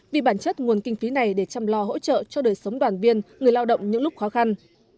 vì bản chất nguồn kinh phí này để chăm lo hỗ trợ cho đời sống đoàn viên người lao động những lúc khó khăn